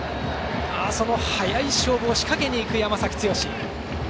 その早い勝負を仕掛けにいく山崎剛。